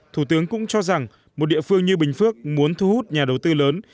thủ tướng cũng cho rằng một địa phương như bình phước muốn thu hút nhà đầu tư lớn